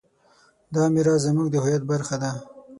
دا میراث زموږ د هویت برخه ده.